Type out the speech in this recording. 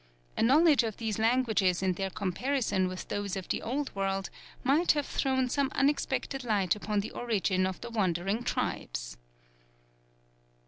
A knowledge of these languages and their comparison with those of the old world, might have thrown some unexpected light upon the origin of the wandering tribes.